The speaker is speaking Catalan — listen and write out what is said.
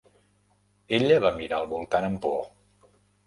Ella va mirar al voltant amb por.